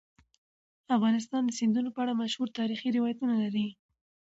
افغانستان د سیندونه په اړه مشهور تاریخی روایتونه لري.